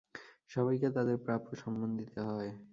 সবাইকে তাদের প্রাপ্য সম্মান দিতে হয়।